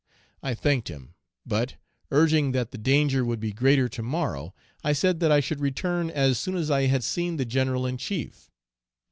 I thanked him; but, urging that the danger would be greater tomorrow, I said that I should return as soon as I had seen the General in chief.